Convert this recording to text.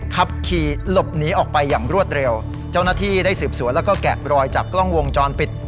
ขับขี่หลบหนีออกไปอย่างรวดเร็วเจ้าหน้าที่ได้สืบสวนแล้วก็แกะรอยจากกล้องวงจรปิด